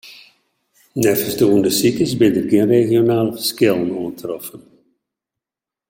Neffens de ûndersikers binne der gjin regionale ferskillen oantroffen.